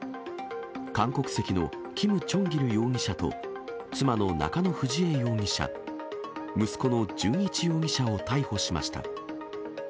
韓国籍のキム・チョンギル容疑者と、妻の中野ふじ枝容疑者、息子の純一容疑者を逮捕しました。